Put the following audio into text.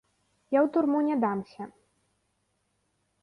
Я ў турму не дамся.